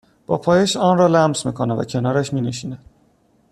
با پایش آن را لمس میکند و کنارش مینشیند